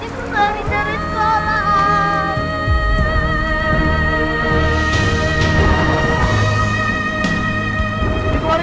kayaknya yang melabur